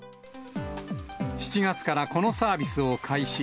７月からこのサービスを開始。